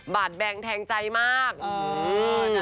บาดแบ่งแทงใจมากอืม